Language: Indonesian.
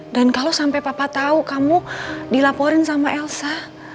dan kalau sampai papa tahu kamu dilaporin sama elsa